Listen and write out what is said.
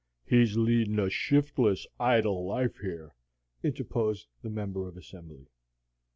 "He's leadin' a shiftless, idle life here," interposed the Member of Assembly.